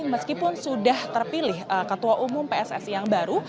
meskipun sudah terpilih ketua umum pssi yang baru